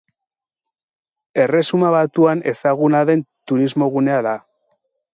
Erresuma Batuan ezaguna den turismogunea da.